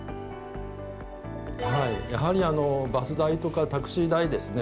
やはりバス代とかタクシー代ですね。